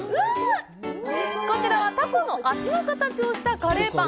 タコの足の形をしたカレーパン！